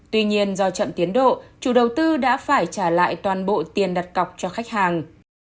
tuy nhiên do chậm tiến độ chủ đầu tư đã phải trả lại toàn bộ tiền đặt cọc cho khách hàng